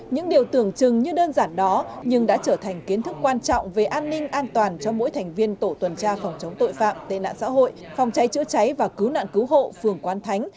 những điều tưởng chừng như đơn giản đó nhưng đã trở thành kiến thức quan trọng về an ninh an toàn cho mỗi thành viên tổ tuần tra phòng chống tội phạm tệ nạn xã hội phòng cháy chữa cháy và cứu nạn cứu hộ phường quán thánh